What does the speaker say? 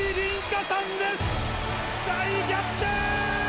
大逆転！